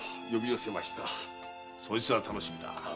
そいつは楽しみだ。